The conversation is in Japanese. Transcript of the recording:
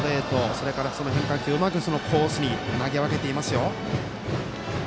それから、変化球をうまくコースに投げ分けていますよ。